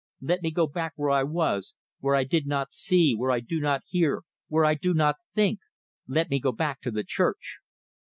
Let me go back where I was where I do not see, where I do not hear, where I do not think! Let me go back to the church!"